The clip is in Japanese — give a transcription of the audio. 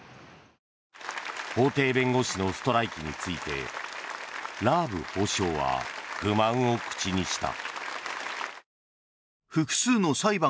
法廷弁護士のストライキについてラーブ法相は不満を口にした。